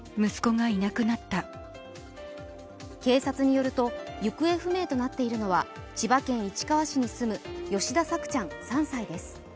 警察によると、行方不明となっているのは、千葉県市川市に住む吉田朔ちゃん、３歳です。